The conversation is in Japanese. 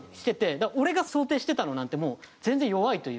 だから俺が想定してたのなんてもう全然弱いというか。